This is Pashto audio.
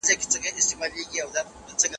هغه سوال کوي